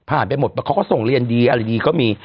ไปหมดเขาก็ส่งเรียนดีอะไรดีก็มี